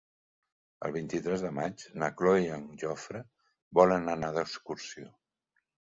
El vint-i-tres de maig na Cloè i en Jofre volen anar d'excursió.